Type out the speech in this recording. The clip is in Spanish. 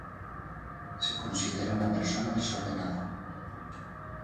Se considera una persona desordenada.